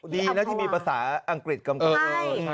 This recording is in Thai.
ดีนะที่มีภาษาอังกฤษกำกับ